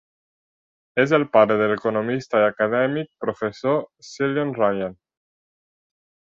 És el pare de l'economista i acadèmic Professor Cillian Ryan.